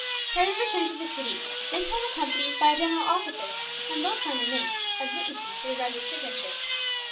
Harry returned to the city, this time accompanied by a general officer, and both signed their names as witnesses to the rajah's signature.